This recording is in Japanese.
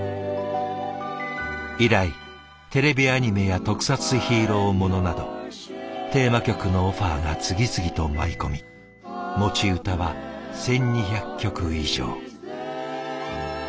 以来テレビアニメや特撮ヒーローものなどテーマ曲のオファーが次々と舞い込み持ち歌は１，２００曲以上。